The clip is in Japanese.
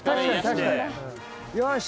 よし。